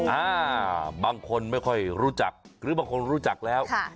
อ่าบางคนไม่ค่อยรู้จักหรือบางคนรู้จักแล้ว